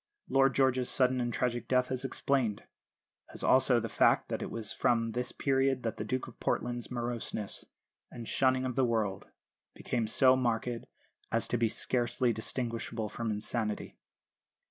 Lord George's sudden and tragic death is explained; as also the fact that it was from this period that the Duke of Portland's moroseness and shunning of the world became so marked as to be scarcely distinguishable from insanity.